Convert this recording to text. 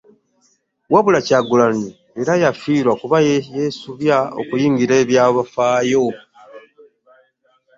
Wabula Kyagulanyi era yafiirwa kuba yeesubya okuyingira ebyafaayo